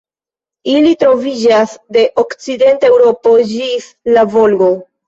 Ili troviĝas de okcidenta Eŭropo ĝis la Volgo.